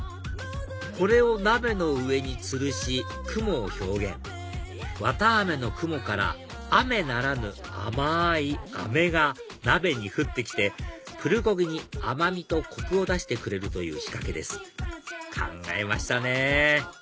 これを鍋の上につるし雲を表現綿あめの雲から雨ならぬ甘いあめが鍋に降って来てプルコギに甘みとコクを出してくれるという仕掛けです考えましたね！